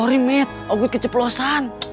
kamu juga keceplosan